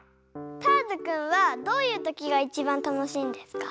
ターズくんはどういうときがいちばんたのしいんですか？